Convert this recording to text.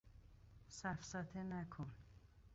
سفسطه نکن